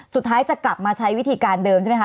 สุดท้ายจะกลับมาใช้วิธีการเดิมใช่ไหมคะ